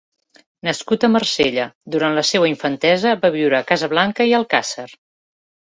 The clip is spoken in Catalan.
Nascut a Marsella, durant la seua infantesa va viure a Casablanca i Alcàsser.